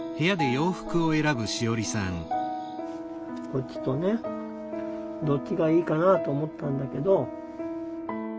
こっちとねどっちがいいかなと思ったんだけど。